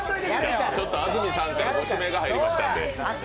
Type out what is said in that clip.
安住さんからご指名が入りましたんで。